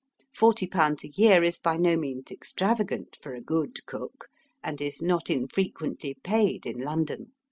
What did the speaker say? Forty pounds a year is by no means extrava gant for a good cook, and is not infrequently paid in London.